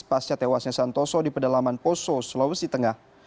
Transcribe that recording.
pasca tewasnya santoso di pedalaman poso sulawesi tengah